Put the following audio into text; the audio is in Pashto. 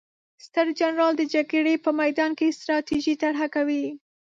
ستر جنرال د جګړې په میدان کې ستراتیژي طرحه کوي.